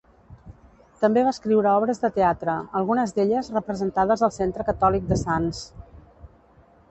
També va escriure obres de teatre, algunes d'elles representades al Centre Catòlic de Sants.